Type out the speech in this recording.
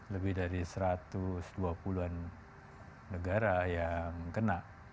lebih dari satu ratus dua puluh an negara yang kena